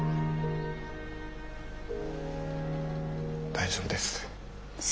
大丈夫です。